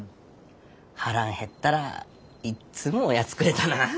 腹ん減ったらいっつもおやつくれたなぁ。